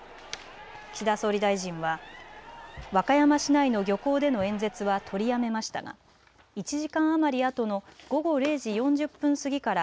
岸田総理大臣は和歌山市内の漁港での演説は取りやめましたが１時間余りあとの午後０時４０分過ぎから